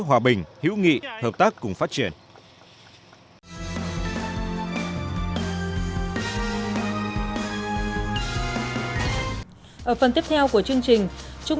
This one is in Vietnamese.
hòa bình hiệu nghị hợp tác cùng phát triển